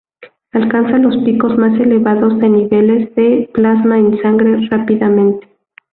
Alcanza los picos más elevados de niveles de plasma en sangre rápidamente.